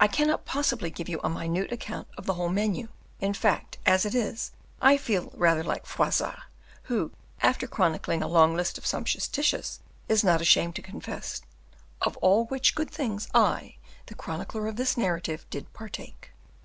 I cannot possibly give you a minute account of the whole menu; in fact, as it is, I feel rather like Froissart, who, after chronicling a long list of sumptuous dishes, is not ashamed to confess, "Of all which good things I, the chronicler of this narration, did partake!"